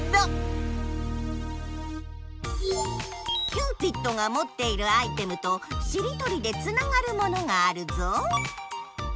キューピッドがもっているアイテムとしりとりでつながるものがあるぞ！